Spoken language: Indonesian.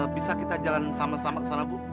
bisa kita jalan sama sama ke sana bu